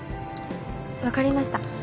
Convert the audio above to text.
分かりました。